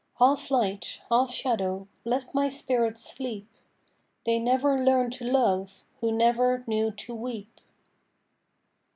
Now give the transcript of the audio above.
Half light, half shadow, let my spirit sleep They never learnt to love who never knew to weep.